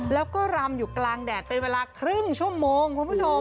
แล้วก็รำอยู่กลางแดดเป็นเวลาครึ่งชั่วโมงคุณผู้ชม